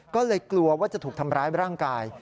ก็เลยกลัวว่าจะถูกทำร้ายร่างกาย